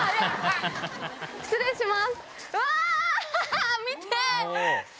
失礼します。